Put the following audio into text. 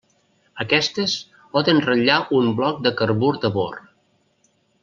Aquestes, poden ratllar un bloc de carbur de bor.